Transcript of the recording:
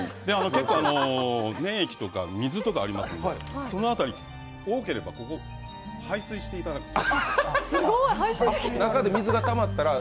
結構、粘液とか水とかありますので、そのあたり多ければ、ここから排水していただくと。